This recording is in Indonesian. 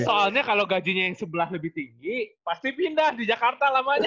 soalnya kalau gajinya yang sebelah lebih tinggi pasti pindah di jakarta lamanya